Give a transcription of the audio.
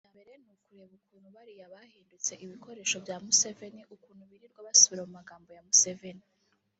Icya mbere ni ukureba ukuntu bariya bahindutse ibikoresho bya Museveni ukuntu birirwa basubira mu magambo ya Museveni